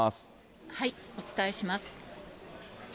お伝えします。